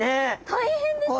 大変ですよね。